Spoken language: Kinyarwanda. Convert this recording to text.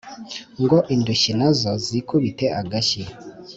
ngo indushyi nazo zikubite agashyi